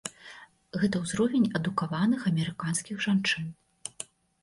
Гэта ўзровень адукаваных амерыканскіх жанчын.